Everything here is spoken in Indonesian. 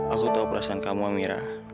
aku tahu perasaan kamu amirah